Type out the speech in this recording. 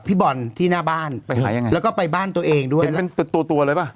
พี่บอลที่หน้าบ้านไปหายังไงแล้วก็ไปบ้านตัวเองด้วยเห็นเป็นตัวตัวเลยป่ะ